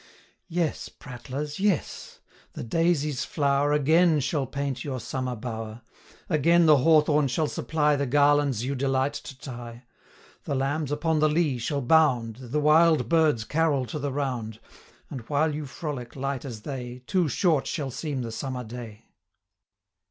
Yes, prattlers, yes. The daisy's flower 45 Again shall paint your summer bower; Again the hawthorn shall supply The garlands you delight to tie; The lambs upon the lea shall bound, The wild birds carol to the round, 50 And while you frolic light as they, Too short shall seem the summer day.